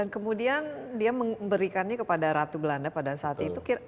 kemudian dia memberikannya kepada ratu belanda pada saat itu